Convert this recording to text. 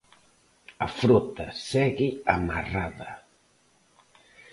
A frota segue amarrada.